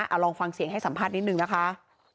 เอาลองฟังเสียงให้สัมภาษณ์นิดนึงนะคะ